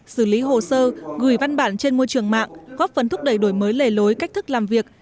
xử lý hồ sơ gửi văn bản trên môi trường mạng góp phần thúc đẩy đổi mới lề lối cách thức làm việc